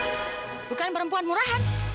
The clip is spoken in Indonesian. eh bukan perempuan murahan